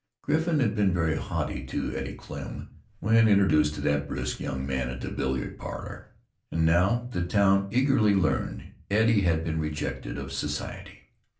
Griffin had been very haughty to Eddie Klemm, when introduced to that brisk young man at the billiard parlor, and now, the town eagerly learned, Eddie had been rejected of society.